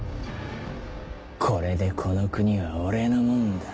これでこの国は俺のもんだ。